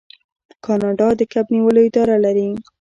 کاناډا د کب نیولو اداره لري.